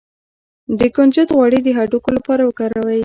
د کنجد غوړي د هډوکو لپاره وکاروئ